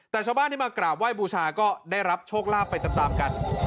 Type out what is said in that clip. แต่ชาวบ้านที่มากราบไหว้บูชาก็ได้รับโชคลาภไปตามกัน